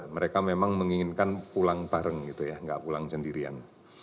mereka memang menginginkan pulang bareng gitu ya nggak pulang sendirian